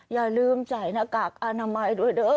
อย่าลืมใส่หน้ากากอนามัยด้วยเด้อ